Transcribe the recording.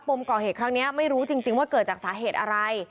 มก่อเหตุครั้งนี้ไม่รู้จริงว่าเกิดจากสาเหตุอะไร